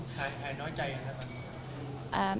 ใครน้อยใจอ่ะครับ